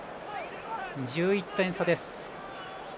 １１点差です。